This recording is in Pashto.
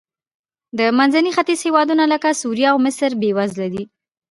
د منځني ختیځ هېوادونه لکه سوریه او مصر بېوزله دي.